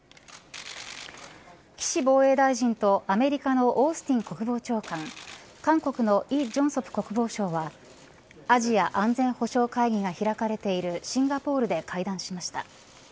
岸防衛大臣とアメリカのオースティン国防長官韓国の李鐘燮国防省はアジア安全保障会議が開かれているシンガポールで会談しました。